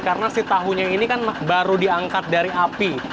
karena si tahunya ini kan baru diangkat dari api